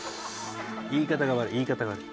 言い方が悪い言い方が悪い。